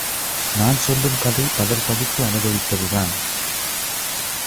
நான் சொல்லும் கதை பலர் படித்து அனுபவித்ததுதான்.